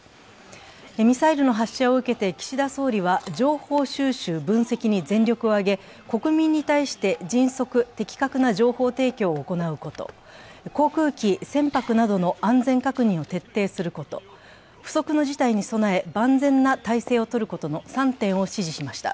ミサイルの発射を受けて岸田総理は情報収集・分析に全力を挙げ、国民に対して迅速、的確な情報提供を行うこと、航空機・船舶などの安全確認を徹底すること、不測の事態に備え、万全な体制を取ることの３点を指示しました。